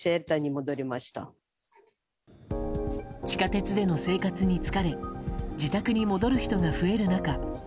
地下鉄での生活に疲れ自宅に戻る人が増える中